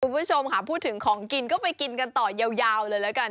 คุณผู้ชมค่ะพูดถึงของกินก็ไปกินกันต่อยาวเลยแล้วกัน